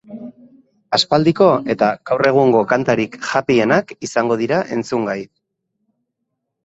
Aspaldiko eta gaur egungo kantarik happy-enak izango dira entzungai.